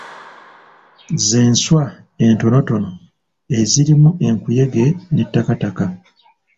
Z'enswa entonotono ezirimu enkuyege n'ettakataka.